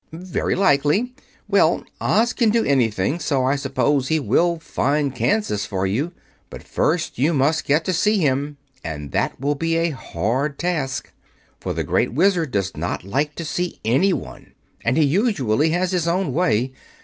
"Very likely. Well, Oz can do anything; so I suppose he will find Kansas for you. But first you must get to see him, and that will be a hard task; for the Great Wizard does not like to see anyone, and he usually has his own way.